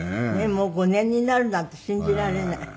もう５年になるなんて信じられない。